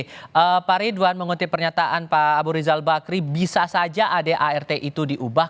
oke pak ridwan mengutip pernyataan pak abu rizal bakri bisa saja adart itu diubah